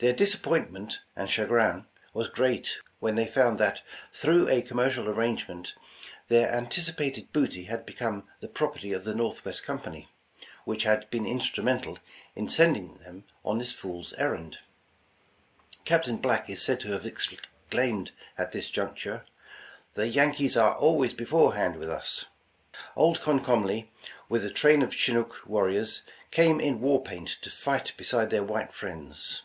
Their disappointment and chagrin was great when they found that through a commercial arrangement, their anticipated booty had become the property of the Northwest Company, which had been in strumental in sending them on this fool's errand. Cap tain Black is said to have exclaimed at this juncture : "The Yankees are always beforehand with us." Old Comcomly, with a train of Chinook warriors, came in war paint to fight beside their white friends.